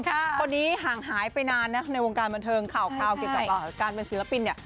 คนนี้ห่างหายไปนานนะในวงการบันเทิงข่าวเกี่ยวกับการเป็นศิลปินเนี่ย